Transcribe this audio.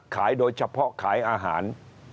โดยเฉพาะขายอาหาร